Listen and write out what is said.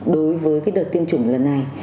đối với cái đợt tiêm chủng lần này